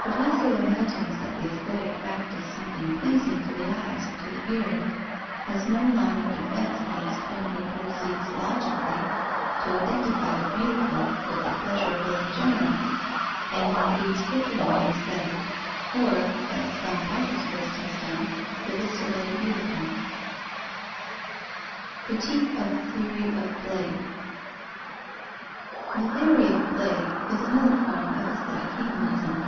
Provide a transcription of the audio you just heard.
But whoso imagines that the aesthetic fact is something pleasing to the eyes or to the hearing, has no line of defence against him who proceeds logically to identify the beautiful with the pleasurable in general, and includes cooking in Aesthetic, or, as some positivist has done, the viscerally beautiful. Critique of the theory of play. The theory of play is another form of aesthetic hedonism.